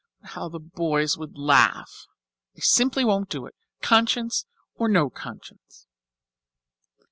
But how the boys would laugh! I simply won't do it, conscience or no conscience."